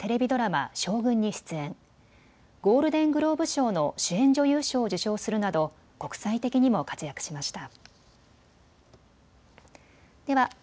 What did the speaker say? ゴールデングローブ賞の主演女優賞を受賞するなど国際的にも活躍しました。